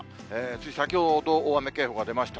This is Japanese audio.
つい先ほど、大雨警報が出ました。